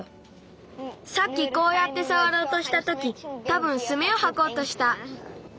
さっきこうやってさわろうとしたときたぶんスミをはこうとした。